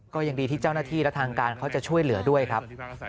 ก็ยังดีที่เจ้าหน้าที่และทางการเขาจะช่วยเหลือด้วยครับ